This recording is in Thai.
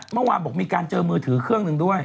เมื่อวานบอกมีการเจอมือถือเครื่องหนึ่งด้วย